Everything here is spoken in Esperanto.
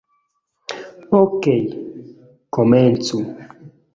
Okej, komencu.